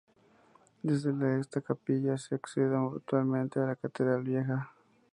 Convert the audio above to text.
Desde esta capilla se accede actualmente a la Catedral Vieja.